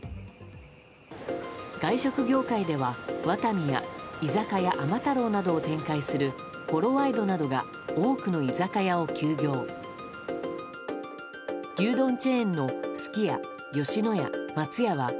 外食業界では、ワタミや居酒屋・甘太郎などを展開するコロワイドなどが多くの居酒屋を休業。